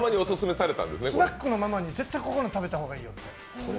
スナックのママに、絶対食べた方がいいよと。